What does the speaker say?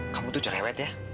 kamu tuh cerewet ya